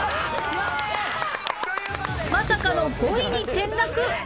まさかの５位に転落！